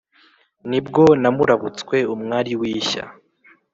Nibwo namurabutswe umwari w'ishya!